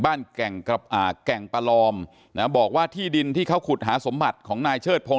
แก่งประลอมนะบอกว่าที่ดินที่เขาขุดหาสมบัติของนายเชิดพงศ